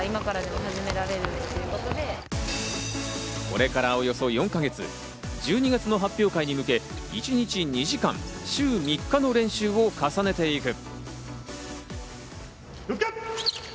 これからおよそ４か月、１２月の発表会に向け、一日２時間、週３日の練習を重ねていく。